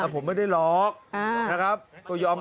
ผมไม่ได้ลอก